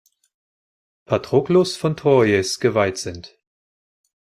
Patroclus von Troyes geweiht sind.